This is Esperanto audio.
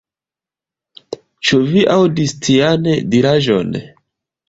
Ĉu vi aŭdis tian diraĵon?